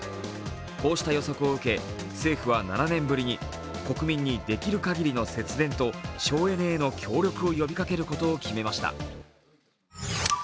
こうした予測を受け、政府は７年ぶりに国民にできる限りの節電と省エネへの協力を呼びかけることを決めました。